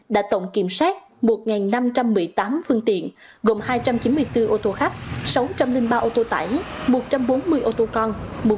đã tổng kiểm soát một năm trăm một mươi tám phương tiện gồm hai trăm chín mươi bốn ô tô khách sáu trăm linh ba ô tô tải một trăm bốn mươi ô tô con